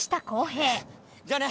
「じゃあね」